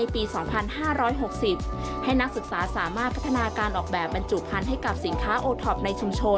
ผมว่ามันก็ได้ดีครับดี